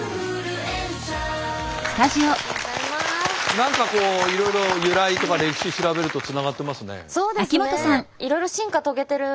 何かこういろいろ由来とか歴史調べるとつながってますね。